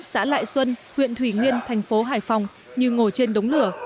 xã lại xuân huyện thủy nguyên thành phố hải phòng như ngồi trên đống lửa